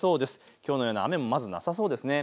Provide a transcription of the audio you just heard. きょうのような雨もまずなさそうです。